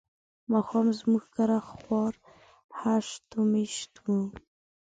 ماښام زموږ کره خوار هشت و مشت وو.